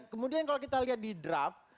kemudian kalau kita lihat di draft